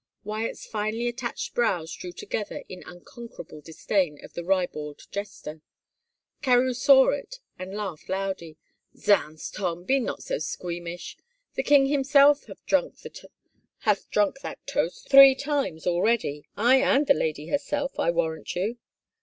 Wyatt's finely arched brows drew together in uncon querable disdain of the ribald jester. Carewe saw it and laughed loudly. "Zounds, Tom, be not so squeamish! The king himself hath drunk that toast three times 237 THE FAVOR OF KINGS already. ... Aye, and the lady herself, I'll warrant 99 you.